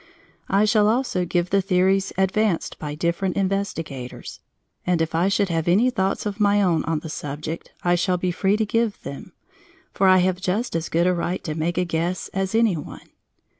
I shall also give the theories advanced by different investigators, and if I should have any thoughts of my own on the subject I shall be free to give them, for I have just as good a right to make a guess as any one.